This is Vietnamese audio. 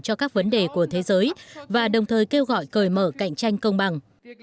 cho các vấn đề của thế giới và đồng thời kêu gọi cởi mở cạnh tranh công bằng